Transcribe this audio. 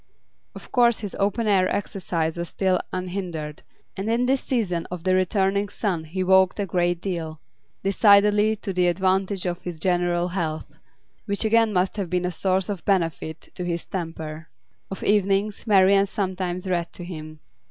Of course his open air exercise was still unhindered, and in this season of the returning sun he walked a great deal, decidedly to the advantage of his general health which again must have been a source of benefit to his temper. Of evenings, Marian sometimes read to him.